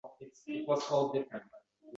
Kursiga u horg‘in cho‘kdi.